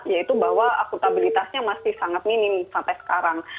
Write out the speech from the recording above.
yaitu bahwa akutabilitasnya masih sangat minim sampai sekarang